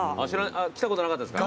来たことなかったですか？